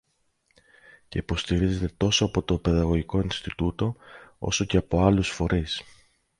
και υποστηρίζεται τόσο από το Παιδαγωγικό Ινστιτούτο, όσο και από άλλους φορείς